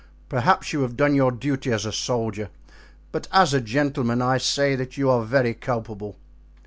perhaps you have done your duty as a soldier, but as a gentleman, I say that you are very culpable."